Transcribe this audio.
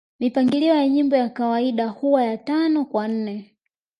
Mipangilio ya nyimbo ya kawaida huwa ya Tano kwa nne